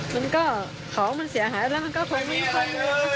มันก็ของมันเสียหายแล้วมันก็ไม่มีอะไรเลย